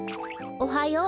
おはよう。